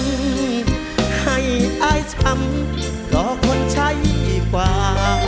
ให้อายชำก่อคนใช่กว่า